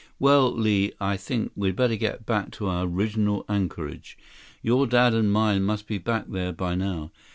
"Well, Li. I think we'd better get back to our original anchorage. Your dad and mine must be back there by now.